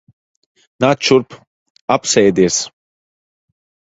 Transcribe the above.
Nāc šurp. Apsēdies.